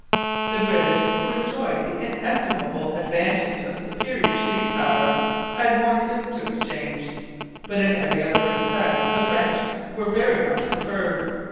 The British, who enjoyed the inestimable advantage of superior sea power, had more goods to exchange. But in every other respect the French were very much preferred.